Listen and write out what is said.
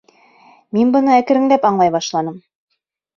Мин быны әкренләп аңлай башланым.